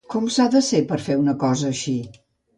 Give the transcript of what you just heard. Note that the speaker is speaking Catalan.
Com s'ha de ser per fer una cosa així?